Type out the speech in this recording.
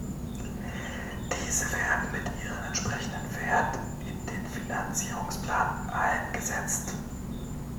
Diese werden mit ihrem entsprechenden Wert in den Finanzierungsplan eingesetzt.